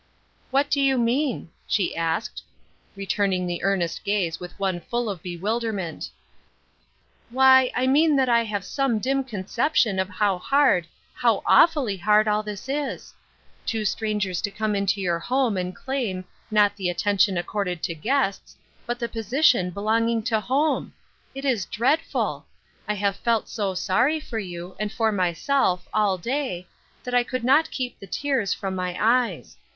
" What do you mean ?" she asked, returniug 14 Ruth Er shine's Crosset, he earnest gaze with one full of bewilderment " Why, I mean that I have some dim concep iion of how hard, how awfully hard all this is I Two strangers to come into your home and 3laim, not the attention accorded to guests, but :he position belonging to home ! It is dreadful ! I have felt so sorry for you, and for myself, all day, that I could not keep the tears from my eyes.